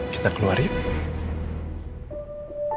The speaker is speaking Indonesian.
kita keluar yuk